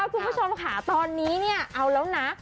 คุณผู้ชมค่ะตอนนี้เนี่ยเอาแล้วนะ